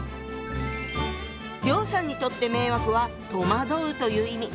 梁さんにとって「迷惑」は「戸惑う」という意味。